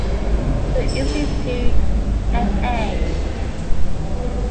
The Institute F.-A.